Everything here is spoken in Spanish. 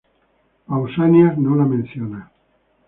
Pausanias no la menciona.